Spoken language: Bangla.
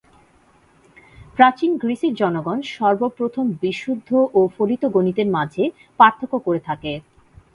প্রাচীন গ্রীসের জনগণ সর্বপ্রথম বিশুদ্ধ ও ফলিত গণিতের মাঝে পার্থক্য করে থাকে।